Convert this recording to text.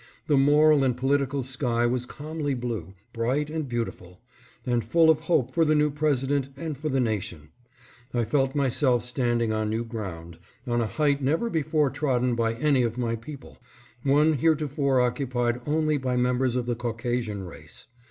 The moral and political sky was calmly blue, bright and beautiful, and full of hope for the new President and for the nation. I felt myself standing on new ground, on a height never before trod den by any of my people ; one heretofore occupied only by members of the Caucasian race.